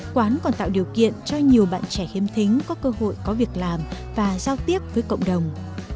quán còn tạo điều kiện cho nhiều bạn trẻ khiêm thính có cơ hội có việc làm và giao tiếp với cộng đồng